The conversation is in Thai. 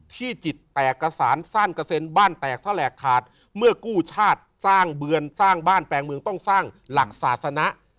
จิตแตกกระสานสั้นกระเซ็นบ้านแตกแหลกขาดเมื่อกู้ชาติสร้างเบือนสร้างบ้านแปลงเมืองต้องสร้างหลักศาสนะ